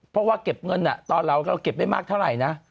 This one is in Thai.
เพราะว่าเก็บเงินตอนเราก็เก็บได้มากเท่าไหร่นะ